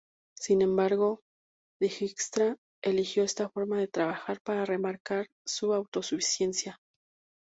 Sin embargo, Dijkstra eligió esta forma de trabajar para remarcar su autosuficiencia.